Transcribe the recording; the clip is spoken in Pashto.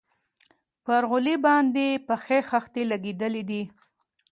پر غولي باندې يې پخې خښتې لگېدلي دي.